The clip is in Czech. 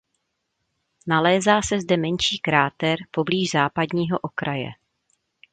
Nalézá se zde menší kráter poblíž západního okraje.